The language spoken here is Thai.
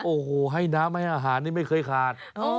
โอ้โหให้น้ำให้อาหารนี่ไม่เคยขาด